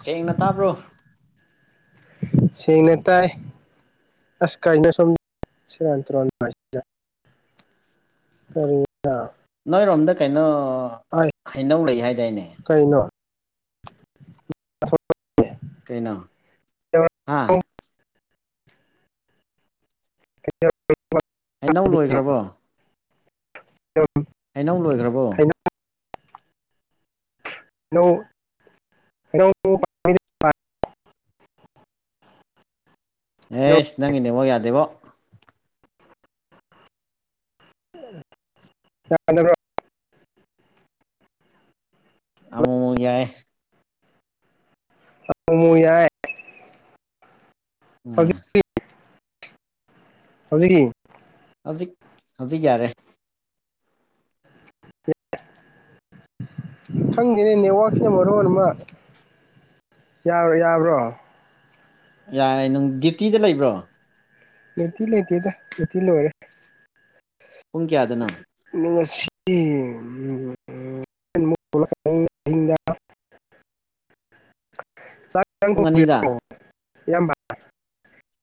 ꯁꯦꯡꯅ ꯇꯥꯕ꯭ꯔꯣ ꯁꯦꯡꯅ ꯇꯥꯏ ꯑꯁ ꯀꯩꯅꯣ ꯁꯣꯝ ꯁꯦꯔꯥꯟ ꯇꯨꯔꯥꯟ ꯍꯥꯏꯁꯤꯅ [unintelligible] ꯅꯣꯏꯔꯣꯝꯗ ꯀꯩꯅꯣ ꯑꯥꯏ ꯍꯩꯅꯧ ꯂꯩ ꯍꯥꯏꯗꯥꯏꯅꯦ ꯀꯩꯅꯣ [unintelligible] ꯀꯩꯅꯣ ꯍꯥ [unintelligible] ꯍꯩꯅꯧ ꯂꯣꯏꯈ꯭ꯔꯕꯣ [unintelligible] ꯌꯩꯅꯧ ꯂꯣꯏꯈ꯭ꯔꯕꯣ ꯃꯧ [unintelligible] ꯑꯦꯁ ꯅꯪꯒꯤ ꯅꯦꯠꯋꯥꯛ ꯌꯥꯗꯦꯕꯣ [unintelligible] ꯑꯃꯨꯃꯨꯛ ꯌꯥꯏ [unintelligible] ꯌꯥꯏ ꯎꯨ ꯍꯧꯖꯤꯛ ꯍꯧꯖꯤ ꯍꯧꯖꯤꯛ ꯍꯧꯖꯤꯛ ꯌꯥꯔꯦ ꯈꯪꯗꯦꯅꯦ ꯅꯦꯋꯥꯛꯁꯤꯅ ꯃꯔꯣꯟ ꯑꯃ ꯌꯥꯔꯣꯏ ꯌꯥꯕ꯭ꯔꯣ ꯌꯥꯔꯦ ꯅꯪ ꯗ꯭ꯌꯨꯇꯤꯗ ꯂꯩꯕ꯭ꯔꯣ ꯗ꯭ꯌꯨꯇꯤ ꯂꯩꯇꯦꯗ ꯗ꯭ꯌꯨꯇꯤ ꯂꯣꯏꯔꯦ ꯄꯨꯡ ꯀꯌꯥꯗꯅꯣ ꯗꯨꯉꯁꯤꯅꯤ [unintelligible] ꯄꯨꯡ ꯑꯅꯤꯗ [unintelligible]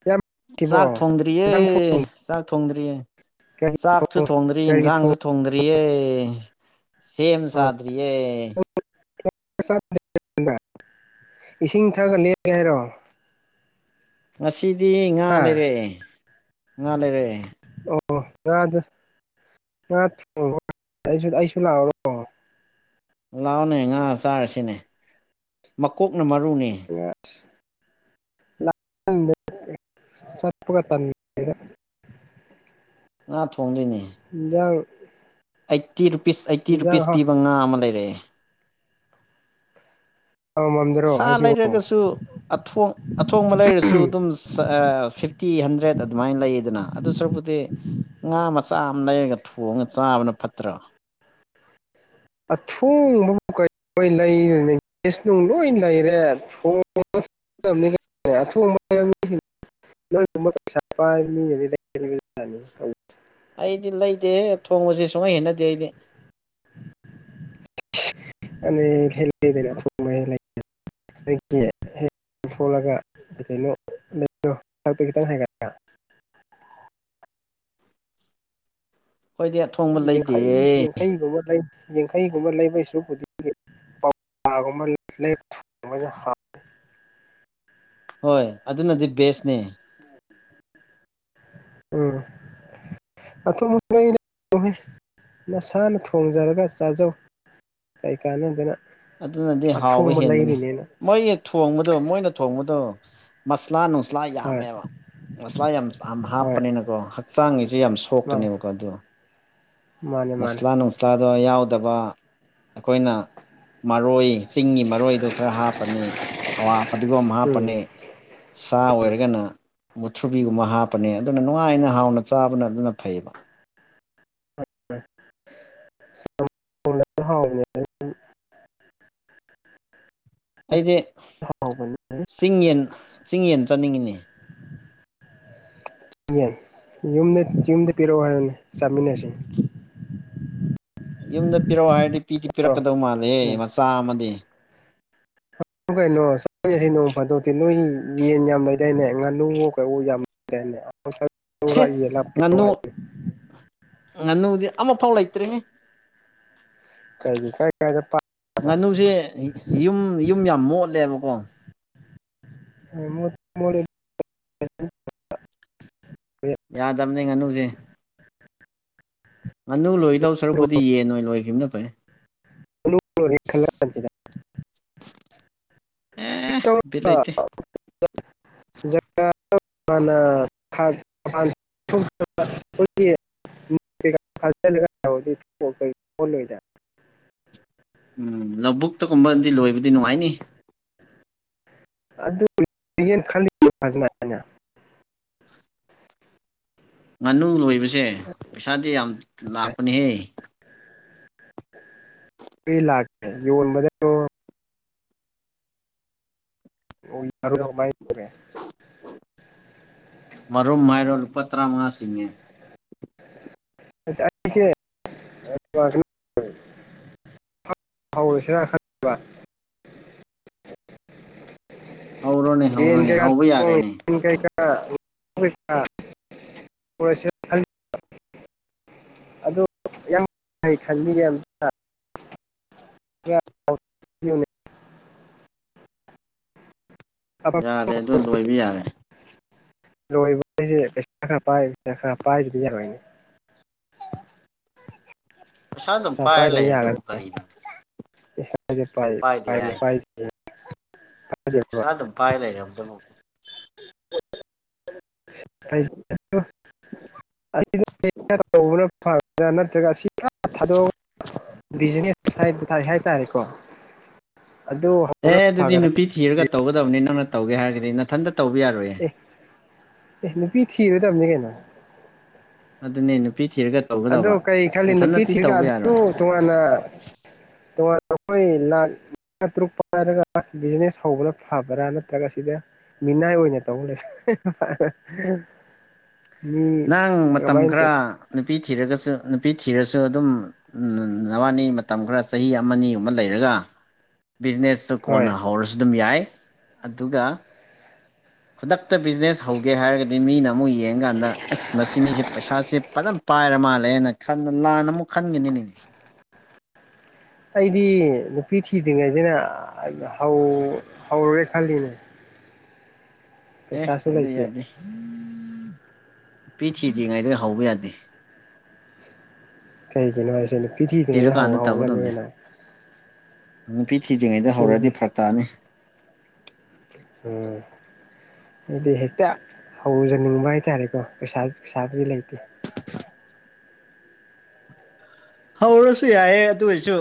ꯏꯌꯥꯝꯕ ꯁꯤꯕꯣ ꯆꯥꯛ ꯊꯣꯡꯗ꯭ꯔꯤꯌꯦ ꯏꯟꯖꯥꯡ ꯊꯣꯡ ꯆꯥꯛ ꯊꯣꯡꯗ꯭ꯔꯤꯌꯦ ꯀꯔꯤ ꯆꯥꯛꯁꯨ ꯊꯣꯡ ꯊꯣꯡꯗ꯭ꯔꯤ ꯀꯔꯤ ꯊꯣꯡ ꯏꯟꯁꯥꯡꯖꯨ ꯊꯣꯡꯗ꯭ꯔꯤꯌꯦ ꯁꯦꯝ ꯁꯥꯗꯔꯤꯌꯦ ꯏꯁꯤꯡ ꯊꯛꯒ ꯂꯦꯒꯦ ꯍꯥꯏꯔꯣ ꯉꯁꯤꯗꯤ ꯉꯥ ꯍꯥ ꯂꯩꯔꯛꯑꯦ ꯉꯥ ꯂꯩꯔꯛꯑꯦ ꯑꯣ ꯉꯥꯗ ꯉꯥ ꯊꯣꯡꯉꯣ ꯑꯩ ꯑꯩꯖꯨ ꯂꯥꯛꯑꯣꯔꯣ ꯂꯥꯛꯑꯣꯅꯦ ꯉꯥ ꯆꯥꯔꯁꯤꯅꯦ ꯃꯀꯣꯛꯅ ꯃꯔꯨꯅꯤ [unintelligible] [unintelligible] ꯉꯥ ꯊꯣꯡꯗꯣꯏꯅꯦ ꯏꯟꯖꯥꯡ ꯑꯩꯠꯇꯤ ꯔꯨꯄꯤꯁ ꯑꯩꯠꯇꯤ ꯏꯟꯖꯥꯡ ꯔꯨꯄꯤꯁ ꯍꯥ ꯄꯤꯕ ꯉꯥ ꯑꯃ ꯂꯩꯔꯛꯑꯦ ꯍꯥꯎꯃꯝꯗ꯭ꯔꯣ ꯁꯥ ꯍꯥꯏꯁꯤꯕꯨ ꯂꯩꯔꯒꯁꯨ ꯑꯊꯣꯡ ꯑꯊꯣꯡꯕ ꯂꯩꯔꯁꯨ ꯑꯗꯨꯝ ꯐꯤꯐꯇꯤ ꯍꯟꯗ꯭ꯔꯦꯠ ꯑꯗꯨꯃꯥꯏꯅ ꯂꯩꯌꯦꯗꯅ ꯑꯗꯨ ꯁꯔꯨꯛꯄꯨꯗꯤ ꯉꯥ ꯃꯆꯥ ꯑꯃ ꯂꯩꯔꯒ ꯊꯣꯡꯉ ꯆꯥꯕꯅ ꯐꯠꯇ꯭ꯔꯣ ꯑꯊꯣꯡꯕꯕꯨ ꯀꯩ ꯂꯣꯏ ꯂꯩꯔꯅꯤ ꯀꯦꯁ ꯅꯨꯡ ꯂꯣꯏ ꯂꯩꯔꯦ ꯊꯣꯡꯉ [unintelligible] [unintelligible] ꯑꯩꯗꯤ ꯂꯩꯗꯦꯍꯦ ꯊꯣꯡꯕꯁꯦ ꯁꯨꯡꯍꯩ ꯍꯩꯅꯗꯦ ꯑꯩꯗꯤ [inaudible] [unintelligible] ꯑꯩꯒꯤ ꯍꯦꯛ ꯊꯣꯛꯂꯒ ꯀꯩꯅꯣ ꯂꯩꯌꯣ ꯁꯛꯇꯤ ꯈꯤꯇꯪ ꯍꯥꯏꯒꯠꯂꯒ ꯈꯣꯏꯗꯤ ꯌꯥꯡꯈꯩ ꯌꯥꯡꯈꯩꯒꯨꯝꯕ ꯂꯩ ꯌꯦꯡꯈꯩꯒꯨꯝꯕ ꯂꯩꯕꯩꯁꯨꯗꯤ [unintelligible] ꯍꯣꯏ ꯑꯗꯨꯅꯗꯤ ꯕꯦꯁꯅꯦ ꯎꯝ ꯎꯝ ꯑꯊꯣꯡꯕ ꯂꯩꯔꯅꯨꯍꯦ ꯅꯁꯥꯅ ꯊꯣꯡꯖꯔꯒ ꯆꯥꯖꯧ ꯀꯩ ꯀꯥꯅꯗꯅ ꯑꯗꯨꯅꯗꯤ ꯍꯥꯎꯕ ꯍꯦꯟꯕꯅꯤ ꯃꯣꯏꯒꯤ ꯊꯣꯡꯕꯗꯣ ꯃꯣꯏꯅ ꯊꯣꯡꯕꯗꯣ ꯃꯁꯂꯥ ꯅꯨꯡꯁꯂꯥ ꯍꯣꯏ ꯌꯥꯝꯃꯦꯕ ꯃꯁꯂꯥ ꯌꯥꯝ ꯌꯥꯝ ꯍꯣꯏ ꯍꯥꯞꯄꯅꯤꯅꯀꯣ ꯍꯛꯆꯥꯡꯒꯤꯖꯨ ꯌꯥꯝ ꯁꯣ ꯃꯥꯅꯦ ꯁꯣꯛꯀꯅꯤꯕꯀꯣ ꯑꯗꯨ ꯃꯥꯅꯦ ꯃꯥꯅꯦ ꯃꯁꯂꯥꯅꯨ ꯆꯥꯗ ꯌꯥꯎꯗꯕ ꯑꯈꯣꯏꯅ ꯃꯔꯣꯏ ꯆꯤꯡꯒꯤ ꯃꯔꯣꯏꯗꯨ ꯈꯔ ꯍꯥꯞꯄꯅꯤ ꯍꯥꯋꯥ ꯐꯗꯤꯒꯣꯝ ꯎꯝ ꯍꯥꯞꯄꯅꯤ ꯁꯥ ꯑꯣꯏꯔꯒꯅ ꯃꯨꯊꯨꯕꯤꯒꯨꯝꯕ ꯍꯥꯞꯄꯅꯤ ꯑꯗꯨꯅ ꯅꯨꯡꯉꯥꯏꯅ ꯍꯥꯎꯅ ꯆꯥꯕꯅ ꯑꯗꯨꯅ ꯐꯩꯌꯦꯕ [unintelligible] [unintelligible] ꯍꯥꯎꯕꯅꯦ [unintelligible] ꯑꯩꯗꯤ ꯍꯥꯎꯕꯅꯦ ꯆꯤꯡ ꯌꯦꯟ ꯆꯤꯡ ꯌꯦꯟ ꯆꯅꯤꯡꯉꯤꯅꯦ [unintelligible] ꯌꯦꯟ ꯌꯨꯝꯗ ꯌꯨꯝꯗ ꯄꯤꯔꯛꯑꯣ ꯍꯥꯏꯌꯨꯅꯦ ꯆꯥꯃꯤꯟꯅꯁꯤ ꯌꯨꯝꯗ ꯄꯤꯔꯛꯑꯣ ꯍꯥꯏꯔꯗꯤ ꯄꯤꯗꯤ ꯑꯣ ꯄꯤꯔꯛꯀꯗꯧ ꯎꯝ ꯃꯥꯜꯂꯦꯍꯦ ꯃꯆꯥ ꯑꯃꯗꯤ [unintelligible] ꯀꯩꯅꯣ [unintelligible] ꯅꯣꯡ ꯐꯥꯗꯣꯛꯇꯤ ꯅꯣꯏꯒꯤ ꯌꯦꯟ ꯌꯥꯝ ꯂꯣꯏꯗꯅꯦ ꯉꯥꯅꯨꯋꯣ ꯀꯩꯋꯨ ꯌꯥꯝ [unintelligible] [unintelligible] ꯉꯥꯅꯨ ꯉꯥꯅꯨꯗꯤ ꯑꯃꯐꯥꯎ ꯂꯩꯇ꯭ꯔꯦꯍꯦ ꯀꯔꯤ ꯀꯔꯥꯏ ꯀꯔꯥꯏꯗ ꯄ ꯉꯥꯅꯨꯖꯦ ꯌꯨꯝ ꯌꯨꯝ ꯌꯥꯝ ꯃꯣꯠꯂꯦꯕꯀꯣ ꯑ ꯃꯣꯠ ꯃꯣꯠꯂꯤ [unintelligible] ꯌꯥꯗꯝꯅꯦ ꯉꯥꯅꯨꯖꯦ ꯉꯥꯅꯨ ꯂꯣꯏꯗꯧ ꯁꯔꯨꯛꯄꯨꯗꯤ ꯌꯦꯟ ꯑꯣꯏꯟ ꯂꯣꯏꯈꯤꯕꯅ ꯐꯩ [unintelligible] [unintelligible] ꯑꯦ ꯕꯤꯠ ꯂꯩꯇꯦ [unintelligible] ꯃꯥꯟꯅ [unintelligible] ꯈꯣꯏꯒꯤ [unintelligible] ꯎꯝ ꯂꯧꯕꯨꯛꯇꯒꯨꯝꯕꯗꯤ ꯂꯣꯏꯕꯗꯤ ꯅꯨꯡꯉꯥꯏꯅꯤ [unintelligible] ꯉꯥꯅꯨ ꯂꯣꯏꯕꯁꯦ ꯄꯩꯁꯥꯗꯤ ꯌꯥꯝ ꯂꯥꯛꯄꯅꯦꯍꯦ [unintelligible] ꯂꯥꯛ ꯑ ꯌꯣꯟꯕꯗꯉꯣ ꯑꯣꯏ [unintelligible] ꯃꯥꯏ ꯃꯔꯨꯝ ꯍꯥꯏꯔꯣ ꯂꯨꯄꯥ ꯇꯔꯥꯃꯉꯥ ꯆꯤꯡꯉꯦ [unintelligible] [unintelligible] ꯍꯧꯔꯁꯤꯔ [unintelligible] ꯍꯧꯔꯣꯅꯦ ꯌꯦꯟ ꯍꯧꯔꯣꯅꯦ ꯀꯩꯀ ꯍꯧꯕ ꯌꯥꯔꯦꯅꯦ [unintelligible] ꯀꯩꯀ [unintelligible] ꯑꯗꯣ ꯌꯥꯝ ꯐꯩ ꯈꯟꯕꯤꯒꯦ [unintelligible] ꯌꯥꯔꯦ ꯑꯗꯨ ꯂꯣꯏꯕ ꯌꯥꯔꯦ ꯂꯣꯏꯕ ꯍꯥꯏꯖꯦ ꯄꯩꯁꯥ ꯈꯔ ꯄꯥꯏ ꯄꯩꯁꯥ ꯈꯔ ꯄꯥꯏꯗꯗꯤ ꯌꯥꯔꯣꯏꯅꯦ ꯄꯩꯁꯥ ꯑꯗꯨꯝ ꯄꯥꯏꯔ ꯂꯩꯔꯤꯗꯨꯕꯨ ꯀꯔꯤꯅꯣ ꯄꯩꯁꯥꯖꯦ ꯄꯥꯏ ꯄꯥꯏꯗꯦ ꯄꯥꯏꯝꯅꯦ ꯍꯥꯏꯗꯦ ꯄꯥꯏ [unintelligible] [unintelligible] [unintelligible] ꯄꯩꯁꯥ ꯑꯗꯨꯝ ꯄꯥꯏ ꯂꯩꯔꯕꯗꯕꯨ ꯅꯠꯇ꯭ꯔꯒ ꯁꯤ [unintelligible] ꯊꯥꯗꯣꯛ [unintelligible] ꯕꯤꯖꯤꯅꯦꯁ ꯍꯥꯏꯕꯨ ꯇꯥꯔꯦ ꯍꯥꯏ ꯇꯥꯔꯦꯀꯣ ꯑꯗꯨ ꯍꯧ ꯑꯦ ꯑꯗꯨꯗꯤ ꯅꯨꯄꯤ ꯊꯤꯔꯒ ꯇꯧꯒꯗꯕꯅꯤ ꯅꯪꯅ ꯇꯧꯒꯦ ꯍꯥꯏꯔꯒꯗꯤ ꯅꯊꯟꯇ ꯇꯧꯕ ꯌꯥꯔꯣꯏꯌꯦ ꯑꯦ ꯑꯦ ꯅꯨꯄꯤ ꯊꯤꯔꯗꯝꯅꯦ ꯀꯩꯅꯣ ꯑꯗꯨꯅꯦ ꯅꯨꯄꯤ ꯊꯤꯔꯒ ꯑꯗꯣ ꯇꯧꯒꯗꯕ ꯀꯩ ꯈꯜꯂꯤ ꯅꯨꯄꯤ ꯅꯊꯟꯅꯗꯤ ꯊꯤꯔꯒꯥ ꯇꯧꯕ ꯌꯥꯔꯣꯏ [unintelligible] ꯇꯣꯉꯥꯟꯅ ꯇꯣꯉꯥꯟꯅ ꯈꯣꯏ ꯂꯥꯛ ꯇꯥ ꯇ꯭ꯔꯨꯛ ꯄꯥꯏꯔꯒ ꯕꯤꯖꯤꯅꯦꯁ ꯍꯧꯕꯅ ꯐꯕ꯭ꯔꯥ ꯅꯠꯇ꯭ꯔꯒ ꯁꯤꯗ ꯃꯤꯅꯥꯏ ꯑꯣꯏꯅ ꯇꯧ ꯂꯩꯔꯦ [unintelligible] ꯅꯪ ꯃꯇꯝ ꯇꯧ ꯈꯔ ꯅꯨꯄꯤ ꯊꯤꯔꯒꯁꯨ ꯅꯨꯄꯤ ꯊꯤꯔꯁꯨ ꯑꯗꯨꯝ ꯅꯋꯥꯅꯤ ꯃꯇꯝ ꯈꯔ ꯆꯍꯤ ꯑꯃꯅꯤꯒꯨꯝꯕ ꯂꯩꯔꯒ ꯕꯤꯖꯤꯅꯦꯁꯁꯨ ꯍꯣꯏ ꯀꯣꯟꯅ ꯍꯧꯔꯁꯨ ꯑꯗꯨꯝ ꯌꯥꯏ ꯑꯗꯨꯒ ꯈꯨꯗꯛꯇ ꯕꯤꯖꯤꯅꯦꯁ ꯍꯧ ꯒꯦ ꯍꯥꯏꯔꯒꯗꯤ ꯃꯤꯅ ꯑꯃꯨꯛ ꯌꯦꯡꯀꯥꯟꯗ ꯑꯁ ꯃꯁꯤ ꯃꯤꯁꯦ ꯄꯩꯁꯥꯁꯦ ꯐꯅ ꯄꯥꯏꯔ ꯃꯥꯜꯂꯦꯅ ꯈꯜꯂ ꯂꯥꯟꯅ ꯑꯃꯨꯛ ꯈꯟꯒꯅꯤꯅꯦ ꯑꯩꯗꯤ ꯅꯨꯄꯤ ꯊꯤꯗ꯭ꯔꯤꯉꯩꯗꯅ ꯍꯧꯔꯨꯔꯦ ꯈꯜꯂꯤꯅꯦ ꯑꯦ ꯄꯩꯁꯥꯁꯨ ꯑꯗꯨ ꯂꯩꯇꯦ ꯌꯥꯗꯦ ꯅꯨꯄꯤ ꯊꯤꯗ꯭ꯔꯤꯉꯩꯗꯒꯤ ꯍꯧꯕ ꯌꯥꯗꯦ ꯀꯩꯒꯤꯅꯣ ꯍꯥꯏꯁꯦ ꯊꯤꯗ꯭ꯔꯤꯉꯩꯗ ꯍꯧ ꯊꯤꯔꯀꯥꯟꯗ ꯇꯧꯒꯗꯕꯅꯦ ꯍꯧꯔꯅꯤꯅ ꯅꯨꯄꯤ ꯊꯤꯗ꯭ꯔꯤꯉꯩꯗ ꯊꯤꯗ꯭ꯔꯤ ꯍꯧꯔꯗꯤ ꯐꯔꯛ ꯇꯥꯅꯤ ꯎꯝ ꯑꯩꯗꯤ ꯍꯦꯛꯇ ꯍꯧꯖꯅꯤꯡꯕ ꯍꯥꯏꯇꯥꯔꯦꯀꯣ ꯄꯩꯁꯥ ꯄꯩꯁꯥꯕꯨꯗꯤ ꯂꯩꯇꯦ ꯍꯧꯔꯁꯨ ꯌꯥꯏꯑꯦ ꯑꯗꯨ ꯑꯣꯏꯔꯁꯨ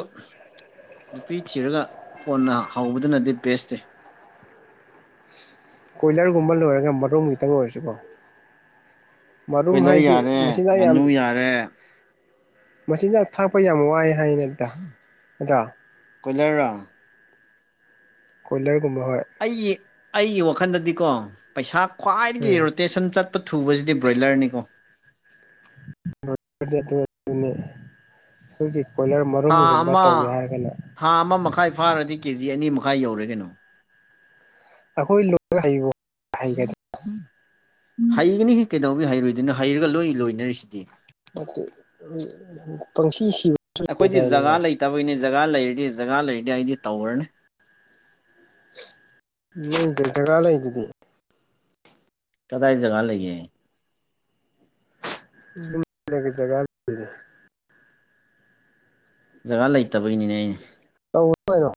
ꯅꯨꯄꯤ ꯊꯤꯔꯒ ꯀꯣꯟꯅ ꯍꯧꯕꯗꯨꯅꯗꯤ ꯕꯦꯁꯁꯦ ꯀꯣꯏꯂꯔꯒꯨꯝꯕ ꯂꯣꯏꯔꯒ ꯃꯔꯨꯝ ꯈꯤꯇꯪ ꯑꯣꯏꯔꯁꯨꯀꯣ ꯃꯔꯨꯝ ꯀꯣꯏꯂꯔ ꯍꯥꯏꯁꯤ ꯌꯥꯔꯦ ꯃꯆꯤꯟꯖꯥꯛ ꯌꯥꯝ ꯉꯥꯅꯨ ꯌꯥꯔꯦ ꯃꯆꯤꯟꯖꯥꯛ ꯊꯥꯛꯄ ꯌꯥꯝ ꯋꯥꯏꯍꯦ ꯍꯥꯏꯅꯗ ꯅꯠꯗ꯭ꯔꯥ ꯀꯣꯏꯂꯔ ꯔꯣ ꯀꯣꯏꯂꯔ ꯒꯨꯝꯕ ꯍꯣꯏ ꯑꯩꯒꯤ ꯑꯩꯒꯤ ꯋꯥꯈꯟꯗꯗꯤꯀꯣ ꯄꯩꯁꯥ ꯈ꯭ꯋꯥꯏꯗꯒꯤ ꯎꯝ ꯔꯣꯇꯦꯁꯟ ꯆꯠ ꯊꯨꯕꯁꯤꯗꯤ ꯕ꯭ꯔꯣꯏꯂꯔꯅꯤꯀꯣ [unintelligible] [unintelligible] ꯑꯩꯈꯣꯏꯒꯤ ꯀꯣꯏꯂꯔ ꯊꯥ ꯃꯔꯨꯝꯒꯨꯝꯕ ꯑꯃ ꯇꯧꯒꯦ ꯍꯥꯏꯔꯒꯅ ꯊꯥ ꯑꯃ ꯃꯈꯥꯏ ꯐꯥꯔꯗꯤ ꯀꯦ ꯖꯤ ꯑꯅꯤ ꯃꯈꯥꯏ ꯌꯧꯔꯦ ꯀꯩꯅꯣ ꯑꯩꯈꯣꯏ ꯂꯣꯏ ꯍꯩꯕꯨ ꯍꯩꯒꯗ꯭ꯔꯣ ꯍꯩꯒꯅꯤꯍꯦ ꯀꯩꯗꯧꯕꯤ ꯍꯩꯔꯣꯏꯗꯣꯏꯅꯣ ꯍꯩꯔꯒ ꯂꯣꯏ ꯂꯣꯏꯅꯔꯤꯁꯤꯗꯤ ꯄꯪꯁꯤ ꯁꯤꯕꯁꯨ ꯂꯩꯗꯥꯏꯅꯦꯀꯣ ꯇꯕꯨꯅꯦ ꯖꯒꯥ ꯂꯩꯔꯗꯤ ꯖꯒꯥ ꯂꯩꯔꯗꯤ ꯑꯩꯗꯤ ꯇꯧꯔꯅꯤ ꯅꯪ ꯖꯒꯥ ꯖꯒꯥ ꯂꯩꯗꯨꯗꯤ ꯀꯗꯥꯏ ꯖꯒꯥ ꯂꯩꯒꯦ ꯌꯨꯝꯗ ꯖꯒꯥ ꯂꯩꯗꯨꯗꯤ ꯖꯒꯥ ꯂꯩꯇꯕꯒꯤꯅꯤꯅꯦ ꯑꯩꯅꯦ ꯇꯧꯑꯣ ꯀꯩꯅꯣ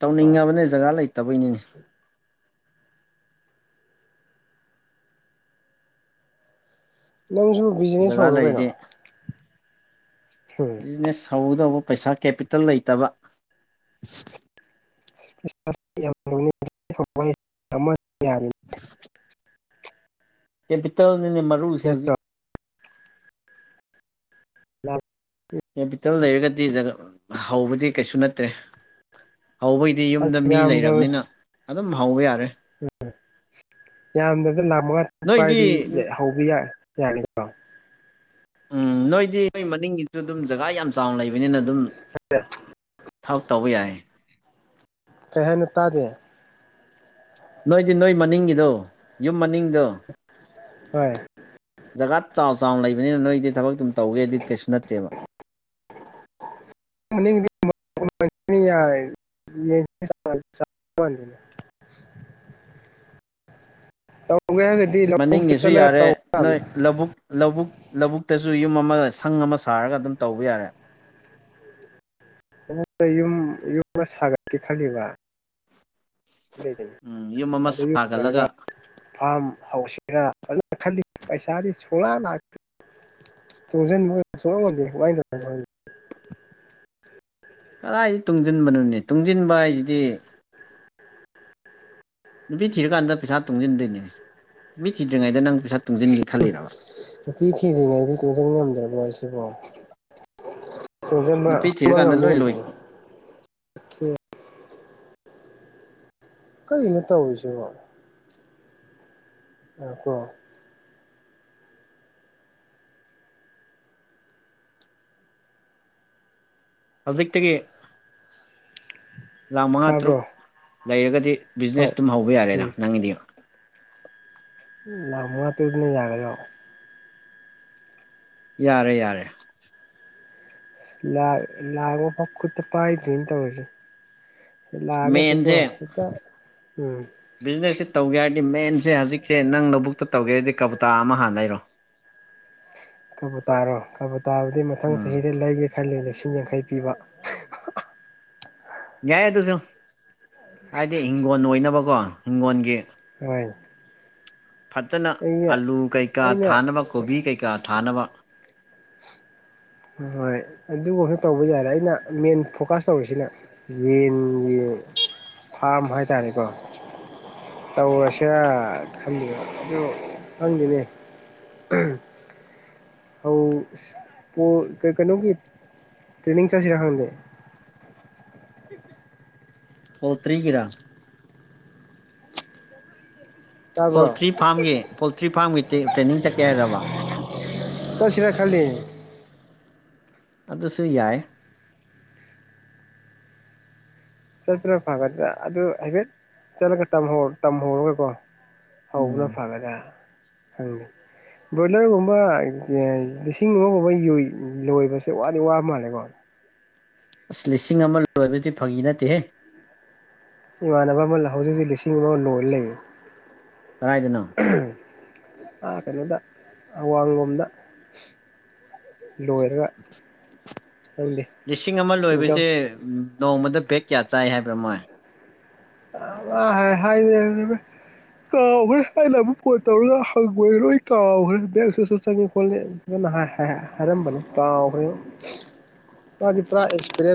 ꯇꯧꯅꯤꯡꯉꯕꯅꯤꯅꯦ ꯖꯒꯥ ꯂꯩꯇꯕꯩꯅꯤꯅꯦ ꯅꯪꯁꯨ ꯕꯤꯖꯤꯅꯦꯁ ꯖꯒꯥ ꯍꯧꯔꯣ ꯀꯩꯅꯣ ꯂꯩꯔꯗꯤ ꯎꯝ ꯕꯤꯖꯤꯅꯦꯁ ꯍꯧꯒꯗꯧꯕ ꯄꯩꯁꯥ ꯀꯦꯄꯤꯇꯦꯜ ꯂꯩꯇꯕ ꯋꯥ [unintelligible] [unintelligible] [inaudible] ꯀꯦꯄꯤꯇꯦꯜꯅꯤꯅꯦ ꯃꯔꯨꯁꯤ ꯅꯠꯇ꯭ꯔꯣ ꯍꯧꯖꯤꯛ ꯂ [unintelligible] ꯀꯦꯄꯤꯇꯦꯜ ꯂꯩꯔꯒꯗꯤ ꯖꯒ ꯍꯧꯕꯗꯤ ꯀꯩꯁꯨ ꯅꯠꯇ꯭ꯔꯦ ꯍꯧꯕꯩ ꯗꯤ ꯌꯨꯝꯗ ꯃꯤ ꯂꯩꯔꯕꯅꯤꯅ ꯑꯗꯨꯝ ꯍꯧꯕ ꯌꯥꯔꯦ ꯎꯝ ꯌꯥꯝꯗ꯭ꯔꯕꯗ ꯂꯥꯛ ꯃꯉꯥ ꯇꯔꯨꯛ ꯅꯣꯏꯗꯤ ꯄꯥꯏꯔꯗꯤ ꯍꯧꯕ ꯌꯥꯒꯗ꯭ꯔꯣ ꯎꯝ ꯅꯣꯏꯗꯤ ꯅꯣꯏ ꯃꯅꯤꯡꯒꯤꯁꯨ ꯑꯗꯨꯝ ꯖꯒꯥ ꯌꯥꯝ ꯆꯥꯎꯅ ꯂꯩꯕꯅꯤꯅ ꯑꯗꯨꯝ ꯊꯕꯛ ꯇꯧꯕ ꯌꯥꯏ ꯀꯩ ꯍꯥꯢꯅꯣ ꯇꯥꯗꯦ ꯅꯣꯏꯗꯤ ꯅꯣꯏ ꯃꯅꯤꯡꯒꯤꯗꯣ ꯌꯨꯝ ꯃꯅꯤꯡꯗꯣ ꯍꯣꯏ ꯖꯒꯥ ꯆꯥꯎ ꯆꯥꯎꯅ ꯂꯩꯕꯅꯤꯅ ꯅꯣꯏꯗꯤ ꯊꯕꯛ ꯑꯗꯨꯝ ꯇꯧꯒꯦꯗꯤ ꯀꯩꯁꯨ ꯅꯠꯇꯦꯕ [inaudible] ꯌꯥꯏ [unintelligible] ꯇꯧꯒꯦ ꯍꯥꯏꯔꯗꯤ ꯃꯅꯤꯡꯒꯤꯁꯨ ꯌꯥꯔꯦ ꯅꯣꯏ ꯂꯧꯕꯨꯛ ꯂꯧꯕꯨꯛ ꯂꯧꯕꯨꯛꯇꯁꯨ ꯌꯨꯝ ꯑꯃ ꯁꯪ ꯑꯃ ꯁꯥꯔꯒ ꯑꯗꯨꯝ ꯇꯧꯕ ꯌꯥꯔꯦ ꯂꯧꯕꯨꯛꯇ ꯌꯨꯝ ꯌꯨꯝ ꯁꯥꯒꯠꯀꯦ ꯈꯜꯂꯤꯕ ꯂꯩꯗꯅ ꯎꯝ ꯌꯨꯝ ꯑꯃ ꯁꯥꯒꯠꯂꯒ ꯐꯥꯝ ꯍꯧꯁꯤꯔ ꯀꯟꯅ ꯈꯜꯂꯤ ꯄꯩꯁꯥꯗꯤ ꯁꯨꯛ ꯂꯥꯛ ꯂꯥꯛꯇꯦ ꯇꯨꯡꯖꯟꯕ ꯁꯨꯛ ꯉꯝ ꯉꯝꯗꯦ ꯀꯃꯥꯏꯅ ꯇꯧꯔꯤꯅꯣ ꯈꯪꯗꯦ ꯀꯗꯥꯏꯗ ꯇꯨꯡꯁꯤꯟꯕꯅꯣꯅꯦ ꯇꯨꯡꯁꯤꯟꯕ ꯍꯥꯏꯁꯤꯗꯤ ꯅꯨꯄꯤ ꯊꯤꯔꯀꯥꯟꯗ ꯄꯩꯁꯥ ꯇꯨꯡꯁꯤꯟꯗꯣꯏꯅꯦ ꯅꯨꯄꯤ ꯊꯤꯗ꯭ꯔꯤꯉꯩꯗ ꯅꯪ ꯄꯩꯁꯥ ꯇꯨꯡꯁꯤꯟꯒꯦ ꯈꯜꯂꯤꯔꯣ ꯈꯪꯗꯦ ꯅꯨꯄꯤ ꯊꯤꯗ꯭ꯔꯤꯉꯩꯗꯤ ꯇꯨꯡꯁꯤꯟ ꯉꯝꯗ꯭ꯔꯕꯣ ꯑꯩꯁꯤꯕꯣ ꯇꯨꯡꯖꯟꯕ ꯅꯨꯄꯤ ꯁꯨꯛ ꯉꯝ ꯊꯤꯔꯀꯥꯟꯗ ꯉꯝꯗꯤ ꯂꯣꯏ ꯂꯣꯏ ꯉꯝꯗꯅ ꯀꯩꯅꯣ ꯇꯧꯔꯤꯁꯤꯕꯣ ꯎꯝ ꯀꯣ ꯍꯧꯖꯤꯛꯇꯒꯤ ꯂꯥꯛ ꯃꯉꯥ ꯇꯥꯕ꯭ꯔꯣ ꯇꯔꯨꯛ ꯂꯩꯔꯒꯗꯤ ꯍꯣꯏ ꯕꯤꯖꯤꯅꯦꯁ ꯑꯗꯨꯝ ꯍꯧꯕ ꯌꯥꯔꯦꯗ ꯎꯝ ꯅꯪꯒꯤꯗꯤ ꯂꯥꯛ ꯃꯉꯥ ꯇꯔꯨꯛꯇꯨꯅ ꯌꯥꯒꯗꯔꯣ ꯌꯥꯔꯦ ꯌꯥꯔꯦ ꯂꯥꯛ ꯂꯥꯛ ꯑꯐꯥꯎ ꯈꯨꯠꯇ ꯄꯥꯏꯗꯦꯅ ꯇꯧꯔꯤꯁꯦ ꯂꯥꯛꯑꯒꯁꯨꯀꯣ ꯃꯦꯟꯁꯦ ꯍꯦꯛꯇ ꯎꯝ ꯕꯤꯖꯤꯅꯦꯁꯁꯦ ꯇꯧꯒꯦ ꯍꯥꯏꯔꯗꯤ ꯃꯦꯟꯁꯦ ꯍꯧꯖꯤꯛꯁꯦ ꯅꯪ ꯂꯧꯕꯨꯛꯇ ꯇꯧꯒꯦ ꯍꯥꯏꯔꯗꯤ ꯀꯕꯨꯇꯥ ꯑꯃ ꯍꯥꯟꯅ ꯂꯩꯔꯣ ꯀꯕꯨꯇꯥꯔꯣ ꯀꯕꯨꯇꯥꯕꯨꯗꯤ ꯃꯊꯪ ꯎꯝ ꯆꯍꯤꯗ ꯂꯩꯒꯦ ꯈꯜꯂꯤ ꯂꯤꯁꯤꯡ ꯌꯥꯡꯈꯩ ꯄꯤꯕ ꯌꯥꯏ ꯑꯗꯨꯁꯨ ꯍꯥꯏꯗꯤ ꯍꯤꯡꯒꯣꯟ ꯑꯣꯏꯅꯕꯀꯣ ꯍꯤꯡꯒꯣꯟꯒꯤ ꯍꯣꯏꯅꯦ ꯐꯖꯅ ꯑꯂꯨ ꯀꯩꯀꯥ ꯑꯩꯅ ꯊꯥꯅꯕ ꯀꯣꯕꯤ ꯀꯩꯀꯥ ꯊꯥꯅꯕ ꯍꯣꯏ ꯑꯗꯨꯒꯨꯝꯕ ꯇꯧꯕ ꯌꯥꯔꯦ ꯑꯩꯅ ꯃꯦꯟ ꯐꯣꯀꯁ ꯇꯧꯔꯤꯁꯤꯅ ꯌꯦꯟꯒꯤ ꯐꯥꯝ ꯍꯥꯏ ꯇꯥꯔꯦꯀꯣ ꯇꯧꯔꯁꯤꯔ ꯈꯜꯂꯤꯕ ꯑꯗꯨ ꯈꯪꯗꯦꯅꯦ ꯀꯩꯅꯣꯒꯤ ꯇ꯭ꯔꯦꯅꯤꯡ ꯆꯠꯁꯤꯔ ꯈꯪꯗꯦ ꯄꯣꯜꯇ꯭ꯔꯤꯒꯤꯔ ꯇꯥꯕ꯭ꯔꯣ ꯄꯣꯜꯇ꯭ꯔꯤ ꯐꯥꯝꯒꯤ ꯄꯣꯜꯇ꯭ꯔꯤ ꯐꯥꯔꯝꯒꯤ ꯇ꯭ꯔꯦꯅꯤꯡ ꯆꯠꯀꯦ ꯍꯥꯏꯔꯕ ꯆꯠꯁꯤꯔ ꯈꯜꯂꯤꯅꯤ ꯑꯗꯨꯁꯨ ꯌꯥꯏ ꯆꯠꯄꯅ ꯐꯒꯗ꯭ꯔ ꯑꯗꯨ ꯍꯥꯏꯐꯦꯠ ꯆꯠꯂꯒ ꯇꯝꯍꯧꯔꯒꯀꯣ ꯇꯧꯕꯅ ꯎꯝ ꯐꯒꯗꯔ ꯈꯪꯗꯦ ꯕ꯭ꯔꯣꯏꯂꯔꯒꯨꯝꯕ ꯂꯤꯁꯤꯡ ꯑꯃꯒꯨꯝꯕ ꯂꯣꯏꯕꯁꯦ ꯋꯥꯗꯤ ꯋꯥ ꯃꯥꯜꯂꯦꯀꯣ ꯑꯁ ꯂꯤꯁꯤꯡ ꯑꯃ ꯂꯣꯏꯕꯗꯤ ꯐꯥꯒꯤ ꯅꯠꯇꯦꯍꯦ ꯏꯃꯥꯟꯅꯕ ꯑꯃꯅ ꯍꯧꯖꯤꯛ ꯍꯧꯖꯤꯛ ꯂꯤꯁꯤꯡ ꯑꯃ ꯂꯣꯏꯔ ꯂꯩꯌꯦ ꯀꯗꯥꯏꯗꯅꯣ ꯎꯝ ꯑꯥ ꯀꯩꯅꯣꯗ ꯑꯋꯥꯡꯂꯣꯝꯗ ꯂꯣꯏ ꯂꯤꯁꯤꯡ ꯑꯃ ꯏꯟꯀꯝ ꯂꯣꯏꯕꯁꯦ ꯅꯣꯡꯃꯗ ꯕꯦꯛ ꯀꯌꯥ ꯆꯥꯏ ꯍꯥꯏꯕ꯭ꯔ ꯃꯣꯏ ꯍꯥꯏ [unintelligible] ꯀꯥꯎꯒ꯭ꯔꯦ ꯑꯩꯅ ꯃꯨꯛ ꯀꯣꯜ ꯇꯧꯔꯒ [unintelligible] ꯀꯥꯎꯒ꯭ꯔꯦ ꯕꯦꯛꯒꯁꯨ ꯆꯪꯉꯦ ꯈꯣꯠꯂꯦ [unintelligible] ꯍꯥꯏꯔꯦꯝꯕꯅꯦ ꯀꯥꯎꯒ꯭ꯔꯦ [inaudible] [unintelligible] ꯑꯦꯛꯁꯄꯤꯔꯦꯟꯁ